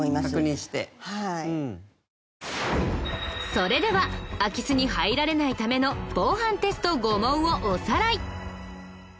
それでは空き巣に入られないための防犯テスト５問をおさらい。